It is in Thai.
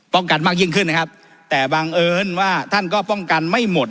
กันมากยิ่งขึ้นนะครับแต่บังเอิญว่าท่านก็ป้องกันไม่หมด